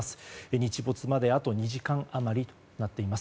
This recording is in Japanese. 日没まであと２時間余りとなっています。